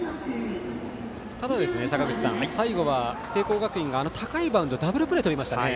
ただ、坂口さん最後は聖光学院が高いバウンドでダブルプレーをとりましたよね。